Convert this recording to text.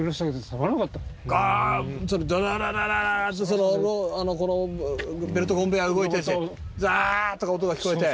そのベルトコンベア動いてるしザーッとか音が聞こえて。